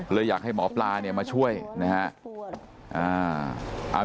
เลยอยากให้หมอปลาเนี่ยมาช่วยนะครับ